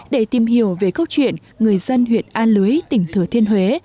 để tìm hiểu về câu chuyện người dân huyện a lưới tỉnh thừa thiên huế